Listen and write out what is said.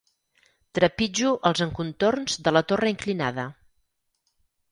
Trepitjo els encontorns de la torre inclinada.